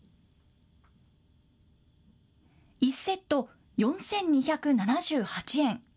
１セット４２７８円。